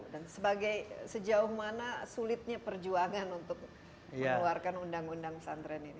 dan sejauh mana sulitnya perjuangan untuk mengeluarkan undang undang pesantren ini